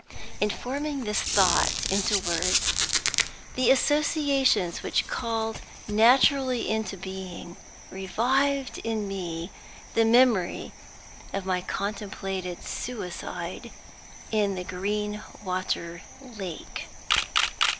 In forming this thought into words, the associations which it called naturally into being revived in me the memory of my contemplated suicide in the Greenwater lake.